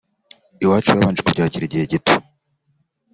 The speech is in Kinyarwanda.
Iwacu babanje kubyakira igihe gito